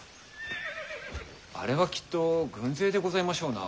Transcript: あれはきっと軍勢でございましょうな。